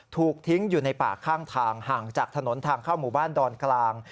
ถูกทิ้งอยู่ในป่าข้างทางห่างจากถนนทางเข้าหมู่บ้านดอนกลาง